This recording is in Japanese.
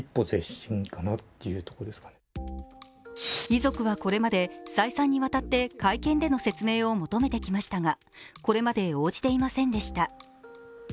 遺族はこれまで再三にわたって会見での説明を求めていましたが、これまで応じていませんでした。